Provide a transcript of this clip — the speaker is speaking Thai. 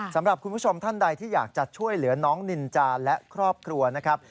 สำหรับคุณผู้ชมท่านใดที่อยากจะช่วยเหลือน้องนินจาและครอบครัวนะครับ